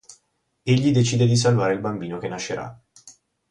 Egli decide di salvare il bambino che nascerà.